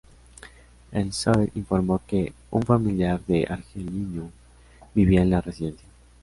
Le Soir informó que un familiar del argelino vivía en la residencia.